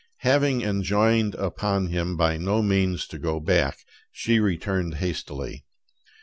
Having enjoined upon him by no means to go back, she returned hastily.